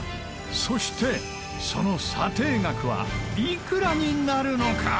そしてその査定額はいくらになるのか？